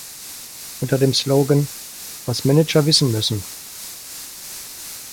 Unter dem Slogan „"Was Manager wissen müssen!